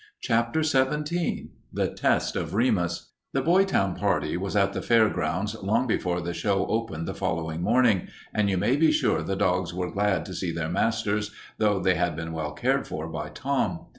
CHAPTER XVII THE TEST OF REMUS The Boytown party was at the fair grounds long before the show opened the following morning, and you may be sure the dogs were glad to see their masters, though they had been well cared for by Tom.